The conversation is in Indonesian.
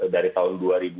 dari tahun dua ribu dua